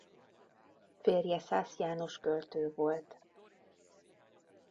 Férje Szász János költő volt.